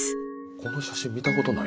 この写真見たことない。